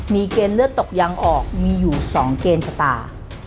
มีเกณฑ์เลือดตกยังออกมีอยู่๒เกณฑ์ชะตา